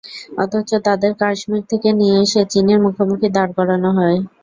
অথচ তাঁদের কাশ্মীর থেকে নিয়ে এসে চীনের মুখোমুখি দাঁড় করানো হয়।